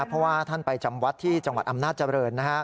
เพราะว่าท่านไปจำวัดที่จังหวัดอำนาจเจริญ